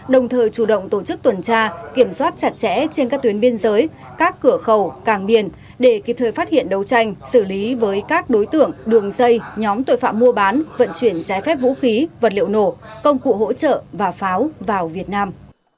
đồng thời chủ động tổ chức tuần tra kiểm soát chặt chẽ trên các tuyến biên giới các cửa khẩu càng điền để kịp thời phát hiện đấu tranh xử lý với các đối tượng đường dây nhóm tội phạm mua bán vận chuyển trái phép vũ khí vật liệu nổ công cụ hỗ trợ và pháo vào việt nam